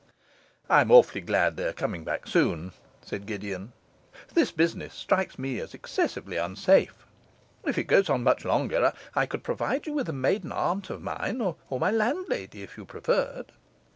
'I'm awfully glad they are coming back soon,' said Gideon. 'This business strikes me as excessively unsafe; if it goes on much longer, I could provide you with a maiden aunt of mine, or my landlady if you preferred.